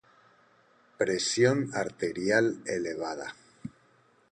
presión arterial elevada